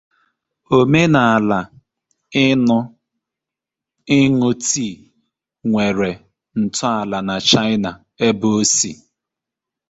Omenaala ịṅụ tea nwere ntọala na China, ebe o si.